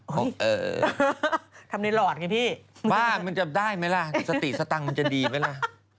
กูหนีเราก็ดูออกมาคงติ้งต้องแล้วนะ